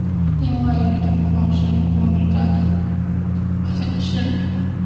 另外与同行神谷明的交情很深。